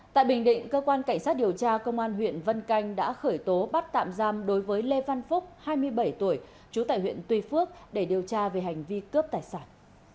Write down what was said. tại bình định cơ quan cảnh sát điều tra công an huyện vân canh đã khởi tố bắt tạm giam đối với lê văn phúc hai mươi bảy tuổi trú tại huyện tuy phước để điều tra về hành vi cướp tài sản